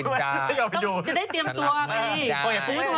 จะได้เตรียมตัวพี่